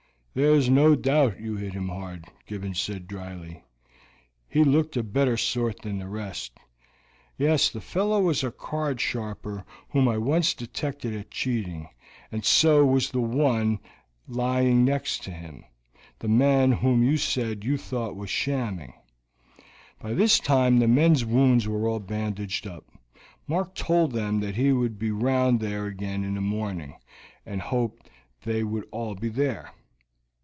"There is no doubt you hit him hard," Gibbons said dryly. "He looked a better sort than the rest." "Yes, the fellow was a card sharper whom I once detected at cheating; and so was the one who was lying next to him, the man whom you said you thought was shamming." By this time the men's wounds were all bandaged up. Mark told them that he would be round there again in the morning, and hoped that they would all be there.